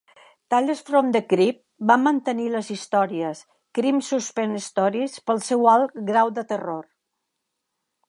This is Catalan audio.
"Tales from the Crypt" va mantenir les històries "Crime SuspenStories" pel seu alt grau de terror.